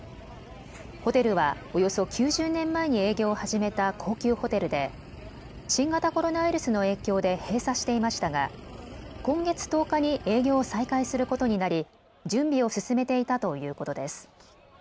ホテルはおよそ９０年前に営業を始めた高級ホテルで新型コロナウイルスの影響で閉鎖していましたが今月１０日に営業を再開することになり準備を進めていたということです。